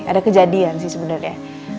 ada kejadian sih sebenernya